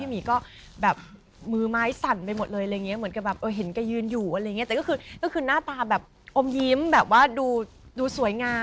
ไม่ถูกกับครุฑ